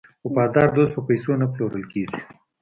وفادار دوست په پیسو نه پلورل کیږي.